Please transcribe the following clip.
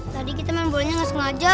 tadi kita memang bolanya gak sengaja